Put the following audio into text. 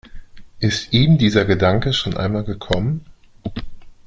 Ist ihm dieser Gedanke schon einmal gekommen?